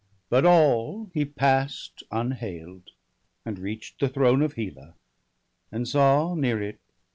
But all he pass'd unhail'd, and reach'd the throne Of Hela, and saw, near it.